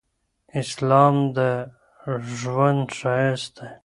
اسلام د ږوند شایست دي